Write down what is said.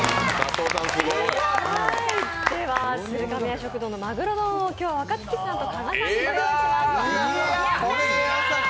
鶴亀屋食堂のマグロ丼を今日は若槻さんと加賀さんにご用意いたしました。